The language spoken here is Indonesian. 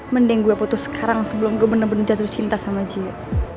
mending gue putus sekarang sebelum gue bener bener jatuh cinta sama dia